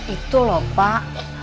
itu lho pak